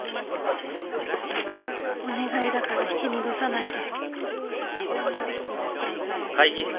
お願いだから引き戻さないで